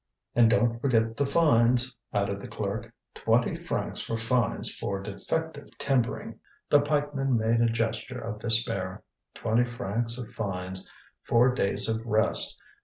"And don't forget the fines," added the clerk. "Twenty francs for fines for defective timbering." The pikeman made a gesture of despair. Twenty francs of fines, four days of rest!